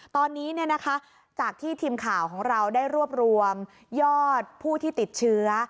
ตอนนี้จากที่ทีมข่าวของเราได้รวบรวมยอดผู้ที่ติดเชื้อ